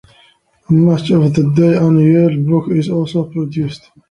A "Match of the Day Annual" book is also produced.